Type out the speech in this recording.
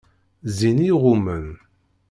Zzin i iɣummen.